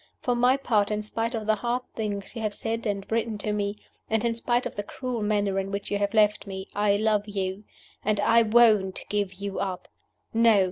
For my part, in spite of the hard things you have said and written to me, and in spite of the cruel manner in which you have left me, I love you and I won't give you up. No!